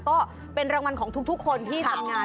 ก็เป็นรางวัลของทุกคนที่ทำงาน